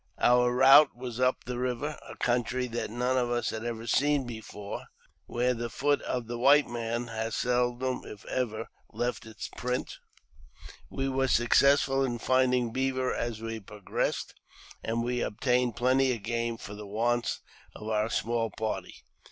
Our route was up the river — a country that none of us had ever seen before — where the foot of the white man had seldom, if ever, left its print. We were very successful in finding beaver as we progressed, and we obtained plenty of game for the wants of our small party.